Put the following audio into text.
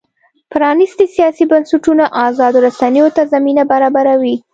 پرانیستي سیاسي بنسټونه ازادو رسنیو ته زمینه برابروي.